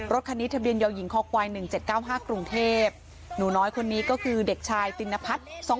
รถคันนี้ทะเบียนยาวหญิงคอควาย๑๗๙๕กรุงเทพหนูน้อยคนนี้ก็คือเด็กชายตินพัฒน์